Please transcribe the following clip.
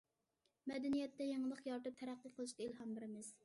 مەدەنىيەتتە يېڭىلىق يارىتىپ تەرەققىي قىلىشقا ئىلھام بېرىمىز.